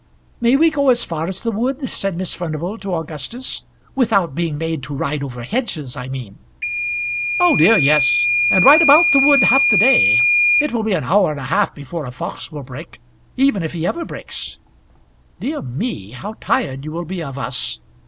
"May we go as far as the wood?" said Miss Furnival to Augustus. "Without being made to ride over hedges, I mean." "Oh, dear, yes; and ride about the wood half the day. It will be an hour and a half before a fox will break even if he ever breaks." "Dear me! how tired you will be of us.